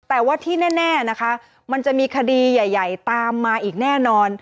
แต่ว่าที่แน่นะคะมันจะมีคดีใหญ่ตามมาอีกแน่นอน